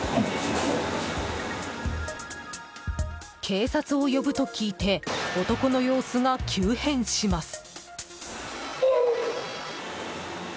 警察を呼ぶと聞いて男の様子が急変します。